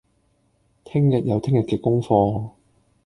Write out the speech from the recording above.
聽日有聽日嘅功課